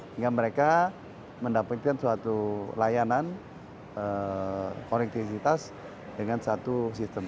hingga mereka mendapatkan suatu layanan konektivitas dengan satu sistem